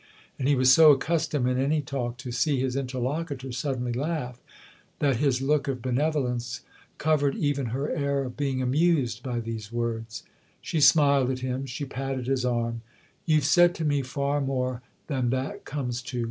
And he was so accustomed, in any talk, to see his interlocutor suddenly laugh that his look of benevolence covered even her air of being amused by these words. THE OTHER HOUSE 181 She smiled at him ; she patted his arm. " You've said to me far more than that comes to.